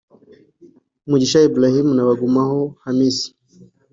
Mugisha Ibrahim na Bagumaho Hamisi